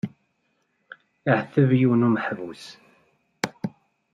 Iɛetteb yiwen n umeḥbus.